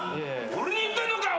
俺に言ってんのかよ！